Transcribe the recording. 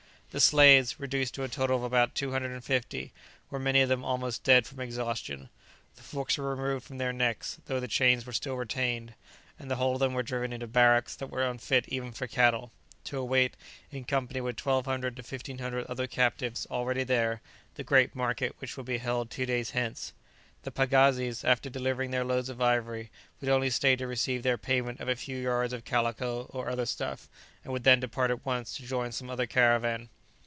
The slaves, reduced to a total of about two hundred and fifty, were many of them almost dead from exhaustion; the forks were removed from their necks, though the chains were still retained, and the whole of them were driven into barracks that were unfit even for cattle, to await (in company with 1200 to 1500 other captives already there) the great market which would be held two days hence. The pagazis, after delivering their loads of ivory, would only stay to receive their payment of a few yards of calico or other stuff, and would then depart at once to join some other caravan.